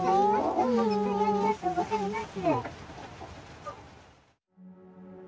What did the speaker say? ありがとうございます。